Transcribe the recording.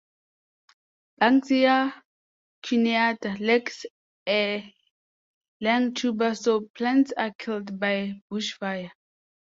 "Banksia cuneata" lacks a lignotuber, so plants are killed by bushfire.